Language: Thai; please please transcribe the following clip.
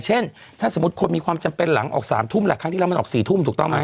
เช่นถ้าสมมุติคนมีความจำเป็นหลังออก๓ทุ่มแหละครั้งที่แล้วมันออก๔ทุ่มถูกต้องไหม